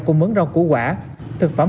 cùng mướn rau củ quả thực phẩm